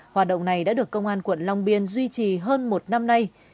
hoạt động này đã được công an quận long biên duy trì hơn một năm nay